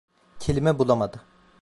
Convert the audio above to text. Kelime bulamadı.